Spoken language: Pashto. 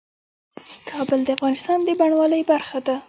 کابل د افغانستان د بڼوالۍ برخه ده.